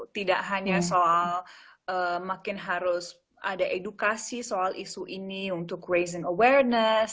tidak hanya soal makin harus ada edukasi soal isu ini untuk ration awareness